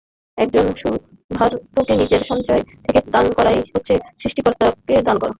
একজন ক্ষুধার্তকে নিজের সঞ্চয় থেকে দান করাই হচ্ছে সৃষ্টিকর্তাকে দান করা।